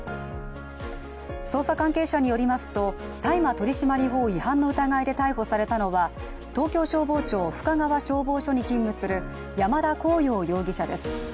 捜査関係者によりますと大麻取締法違反の疑いで逮捕されたのは、東京消防庁・深川消防署に勤務する山田虹桜容疑者です。